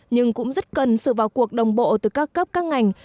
nhưng cũng rất cần sự vào cuộc đồng bộ từ các cấp các ngành